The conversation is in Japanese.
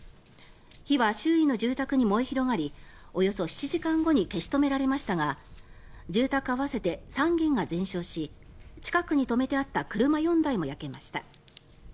火は周囲の住宅に燃え広がりおよそ７時間後に消し止められましたが住宅合わせて３軒が全焼し近くに止めてあった車４台も焼けました。